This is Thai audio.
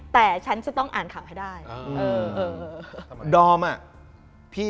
แต่ฉันจะต้องอ่านข่าวให้ได้